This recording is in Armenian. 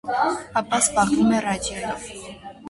Ապա զբաղվում է ռադիոյով։